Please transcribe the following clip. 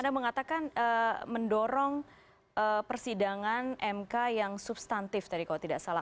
anda mengatakan mendorong persidangan mk yang substantif tadi kalau tidak salah